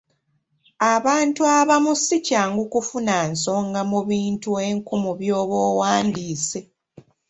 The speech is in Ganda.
Abantu abamu si kyangu kufuna nsonga mu bintu enkumu by'oba owandiise.